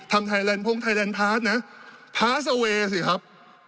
ทำไทยแลนด์พรุ่งไทยแลนด์พลาสนะพลาสเอาเวย์สิครับ